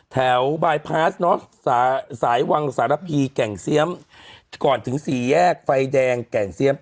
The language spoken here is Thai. บายพาสเนอะสายวังสารพีแก่งเซียมก่อนถึงสี่แยกไฟแดงแก่งเซียม